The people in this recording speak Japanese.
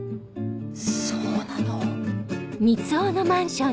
そうなの？